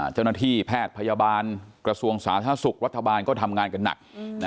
เจ้าหน้าที่แพทย์พยาบาลกระทรวงสาธารณสุขรัฐบาลก็ทำงานกันหนัก